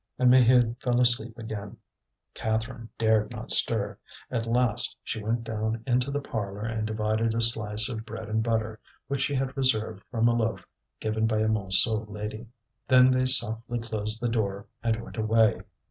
And Maheude fell asleep again. Catherine dared not stir. At last she went down into the parlour and divided a slice of bread and butter which she had reserved from a loaf given by a Montsou lady. Then they softly closed the door and went away.